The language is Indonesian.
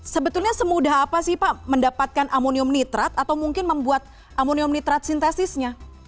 sebetulnya semudah apa sih pak mendapatkan amonium nitrat atau mungkin membuat amonium nitrat sintesisnya